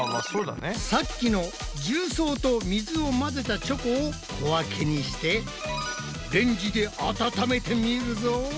さっきの重曹と水を混ぜたチョコを小分けにしてレンジで温めてみるぞ。